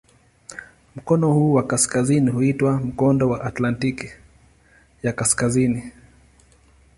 Mkono huu wa kaskazini huitwa "Mkondo wa Atlantiki ya Kaskazini".